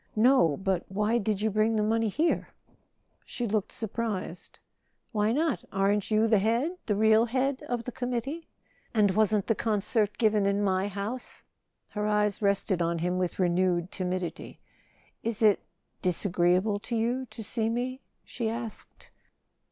"No. But why did you bring that money here?" She looked surprised. "Why not? Aren't you the head—the real head of the committee? And wasn't [ 336 ] A SON AT THE FRONT the concert given in my house?" Her eyes rested on him with renewed timidity. " Is it—disagreeable to you to see me?" she asked.